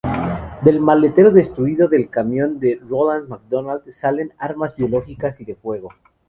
Del maletero destruido del camión de Ronald McDonald salen armas biológicas y de fuego.